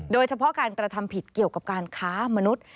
โดยเฉพาะการกระทำผิดเกี่ยวกับการค้ามนุษย์